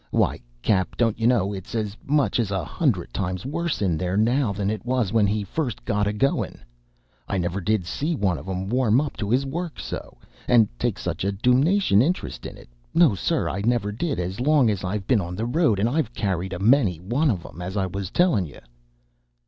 Why, Cap., don't you know, it's as much as a hundred times worse in there now than it was when he first got a going. I never did see one of 'em warm up to his work so, and take such a dumnation interest in it. No, Sir, I never did, as long as I've ben on the road; and I've carried a many a one of 'em, as I was telling you."